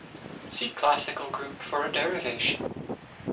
See classical group for a derivation.